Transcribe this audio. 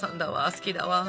好きだわ。